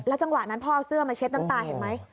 จังหวะนั้นพ่อเอาเสื้อมาเช็ดน้ำตาเห็นไหม